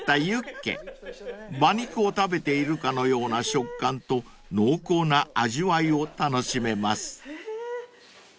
［馬肉を食べているかのような食感と濃厚な味わいを楽しめます］